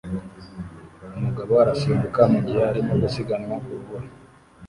Umugabo arasimbuka mugihe arimo gusiganwa ku rubura